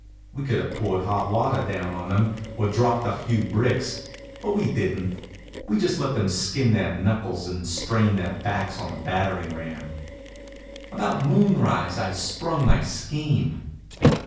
We could have poured hot water down on them, or dropped a few bricks, but we didn't. We just let them skin their knuckles and strain their backs on the battering ram. About moonrise I sprung my scheme.